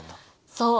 そう。